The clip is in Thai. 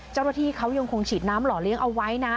เจ้าหน้าที่เขายังคงฉีดน้ำหล่อเลี้ยงเอาไว้นะ